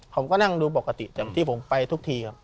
ผมก็นั่งดูปกติอย่างที่ผมไปทุกทีครับ